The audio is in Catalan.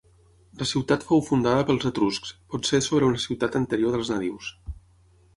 La ciutat fou fundada pels etruscs potser sobre una ciutat anterior dels nadius.